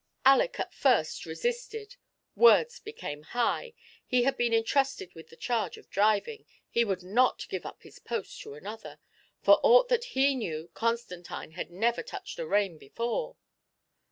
12fi Aleck at first resisted, words became high — he had been intrusted with the charge of driving — he would not give up his post to another — for aught that he knew, Constantine had never touched a rein before.